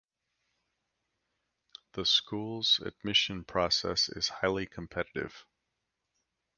The school's admission process is highly competitive.